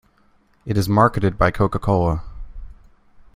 It is marketed by Coca-Cola.